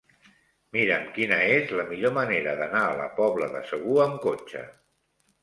Mira'm quina és la millor manera d'anar a la Pobla de Segur amb cotxe.